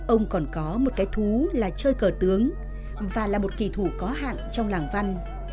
ông còn có một cái thú là chơi cờ tướng và là một kỳ thủ có hạn trong làng văn